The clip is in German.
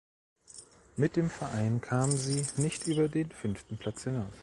Mit dem Verein kam sie nicht über den fünften Platz hinaus.